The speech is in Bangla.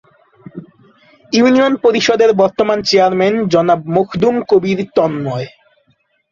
ইউনিয়ন পরিষদের বর্তমান চেয়ারম্যান জনাব মখদুম কবির তন্ময়।